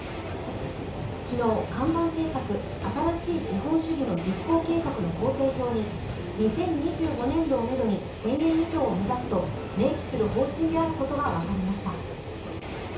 昨日、看板政策「新しい資本主義」の実行計画の行程表に２０２５年度をめどに１０００円以上を目指すと明記する方針であることが分かりました。